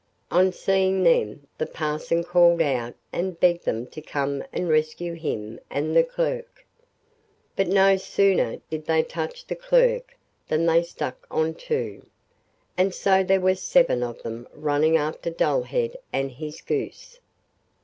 On seeing them the parson called out and begged them to come and rescue him and the clerk. But no sooner did they touch the clerk than they stuck on too, and so there were seven of them running after Dullhead and his goose.